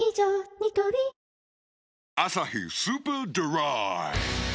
ニトリ「アサヒスーパードライ」